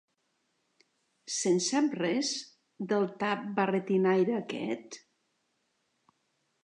Se'n sap res, del tap barretinaire aquest?